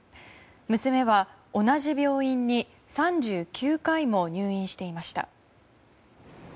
娘は、同じ病院に３９回も入院していました。